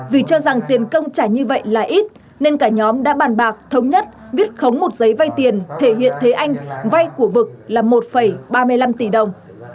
vì cho rằng tiền công trả như vậy là ít nên cả nhóm đã bàn bạc thống nhất viết khống một giấy vay tiền thể hiện thế anh vay của vực là một ba mươi năm tỷ đồng